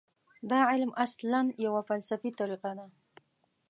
دا علم اصلاً یوه فلسفي طریقه ده.